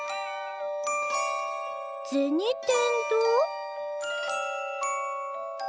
「銭天堂」？